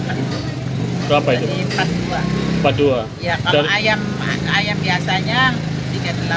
kaget aja kaget biasanya sampai tiga puluh empat itu juga